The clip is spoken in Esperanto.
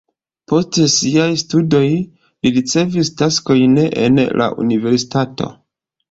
Post siaj studoj li ricevis taskojn en la universitato.